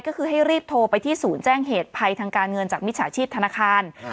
ก็คือให้รีบโทรไปที่ศูนย์แจ้งเหตุภัยทางการเงินจากมิจฉาชีพธนาคาร